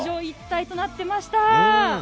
一体となっていました。